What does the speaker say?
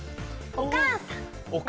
「お母さん」。